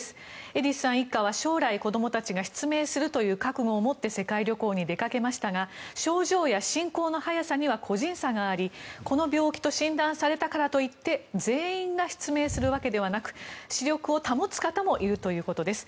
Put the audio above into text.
エディスさん一家は将来子供たちが失明するという覚悟を持って世界旅行に出かけましたが症状や進行の早さには個人差があり、この病気と診断されたからといって全員が失明するわけではなく視力を保つ方もいるということです。